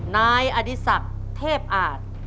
นายอดิษักร์เทพอาท